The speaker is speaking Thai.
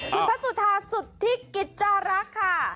คุณพระสุธาสุทธิกิจจารักษ์ค่ะ